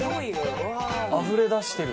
あふれ出してる。